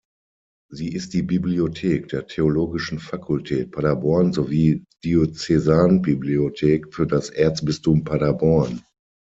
Sie ist die Bibliothek der Theologischen Fakultät Paderborn sowie Diözesanbibliothek für das Erzbistum Paderborn.